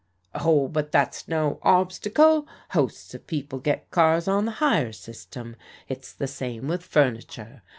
" Oh, but that's no obstacle. Hosts of people get cars on the hire system. It's the same with furniture.